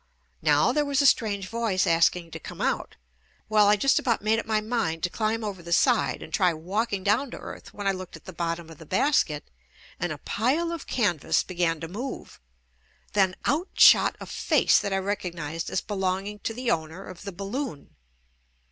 Now there was a strange voice asking to come out;. Well, I just about made up my mind to climb over the side and try walking down to earth when I looked at the bottom of the basket and a pile of canvas be* JUST ME gan to move, then out sh6t a face that I recog nized as belonging to the owner of the balloon.